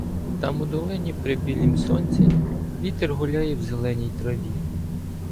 Там у долині, при білім Сонці. Вітер гуляє в зеленій траві.